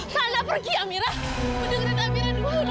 sana pergi amira mendengarkan amira dulu dong